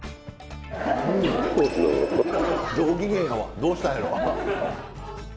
どうしたんやろ。